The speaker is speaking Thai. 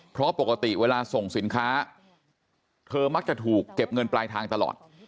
เพราะปกติเวลาส่งสินค้าเธอมักจะถูกเก็บเงินปลายทางตลอด